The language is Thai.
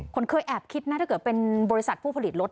คนเคยแอบคิดนะถ้าเกิดเป็นบริษัทผู้ผลิตรถ